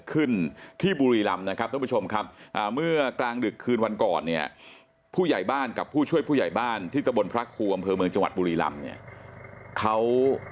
บนพระครูบำเผลอเมืองจังหวัดปรีรำ